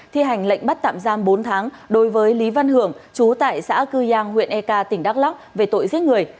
thi hành lệnh bắt tạm giam bốn tháng đối với lý văn hưởng chú tại xã cư giang huyện ek tỉnh đắk lắc về tội giết người